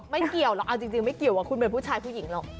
ไม่เกี่ยวหรอกเอาจริงไม่เกี่ยวว่าคุณเป็นผู้ชายผู้หญิงหรอก